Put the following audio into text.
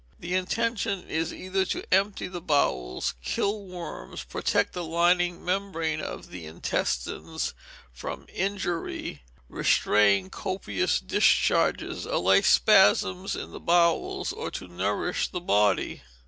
The intention is either to empty the bowels, kill worms, protect the lining membrane of the intestines from injury, restrain copious discharges, allay spasms in the bowels, or to nourish the body.